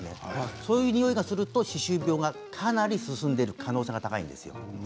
そういうにおいがすると歯周病がかなり進んでいる可能性が高いんですよ。